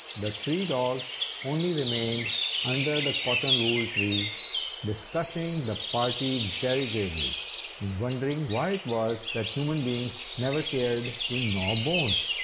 The three dogs only remained under the cotton wool tree, discussing the party very gravely, and wondering why it was that human beings never cared to gnaw bones.